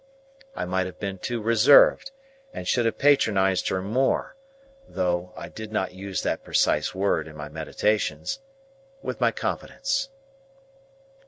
I might have been too reserved, and should have patronised her more (though I did not use that precise word in my meditations) with my confidence.